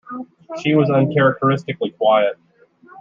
She was uncharacteristically quiet.